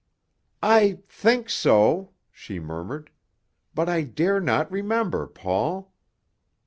"I think so," she murmured. "But I dare not remember, Paul.